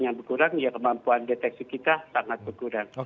yang berkurang ya kemampuan deteksi kita sangat berkurang